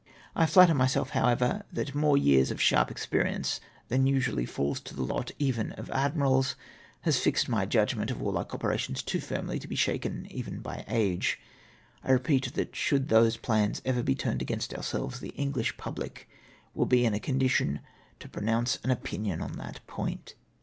I flatter myself, however, that more years of sharp experience than usually falls to the lot, even of admirals, has fixed my judgment of warlike operations too firmly to be shaken even by age. I repeat that should those plans ever be turned against ourselves, the English pubhc will be in a condition to pronounce an opinion on that point.